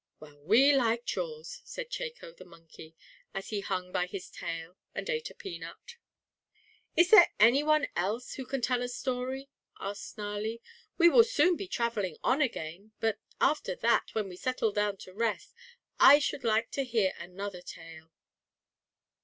"Well, we liked yours," said Chako, the monkey, as he hung by his tail and ate a peanut. "Is there any one else who can tell a story?" asked Snarlie. "We will soon be traveling on again, but after that, when we settle down to rest, I should like to hear another tale."